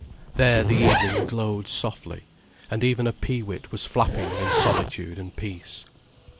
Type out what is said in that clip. There the evening glowed softly, and even a pee wit was flapping in solitude and peace.